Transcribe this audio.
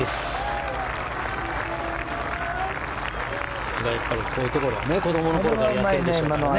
さすが、こういうところは子供のころからやっているでしょうからね。